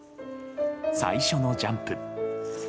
最初のジャンプ。